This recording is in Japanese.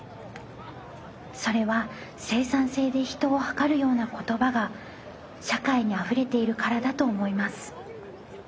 それは生産性で人をはかるような言葉が社会にあふれているからだと思います。